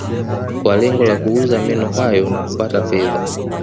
Kwa lengo la kuuza meno hayo na kupata fedha